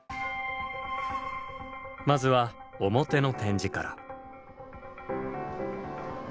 まずは表の展示から。